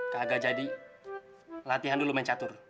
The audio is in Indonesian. kagak jadi latihan dulu main catur